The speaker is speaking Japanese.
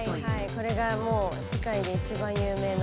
これがもう世界で一番有名な。